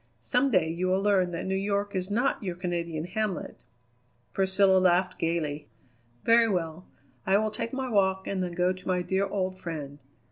Some day you will learn that New York is not your Canadian hamlet." Priscilla laughed gayly. "Very well. I will take my walk and then go to my dear old friend.